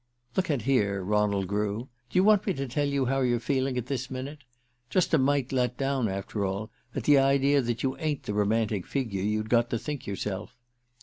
"Look at here, Ronald Grew do you want me to tell you how you're feeling at this minute? Just a mite let down, after all, at the idea that you ain't the romantic figure you'd got to think yourself...